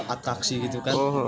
ataksi gitu kan